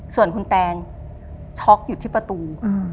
ส่วนคุณแตงช็อกอยู่ที่ประตู